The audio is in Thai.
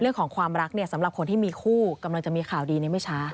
เรื่องของความรักเนี่ยสำหรับคนที่มีคู่กำลังจะมีข่าวดีในไม่ช้า